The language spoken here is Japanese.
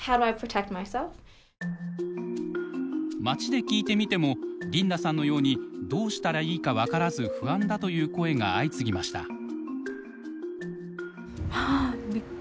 街で聞いてみてもリンダさんのようにどうしたらいいか分からず不安だという声が相次ぎました。